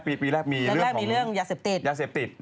ปีแรกมีเรื่องยาเสพติด